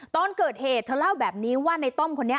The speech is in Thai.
ตอนเกิดเหตุเธอเล่าแบบนี้ว่าในต้อมคนนี้